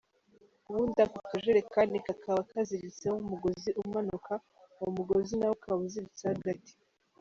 Ubundi ako kajerikani kakaba kaziritseho umugozi umanuka, uwo mugozi nawo ukaba uziritseho agati.